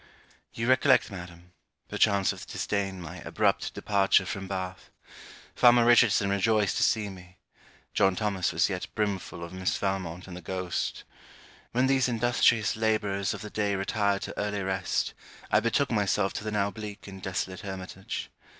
You recollect Madam, (perchance with disdain) my abrupt departure from Bath. Farmer Richardson rejoiced to see me. John Thomas was yet brimful of Miss Valmont and the ghost. When these industrious labourers of the day retired to early rest, I betook myself to the now bleak and desolate hermitage.